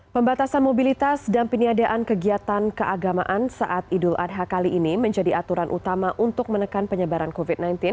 pembatasan mobilitas dan peniadaan kegiatan keagamaan saat idul adha kali ini menjadi aturan utama untuk menekan penyebaran covid sembilan belas